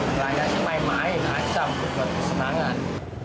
mulanya sih main main aja buat kesenangan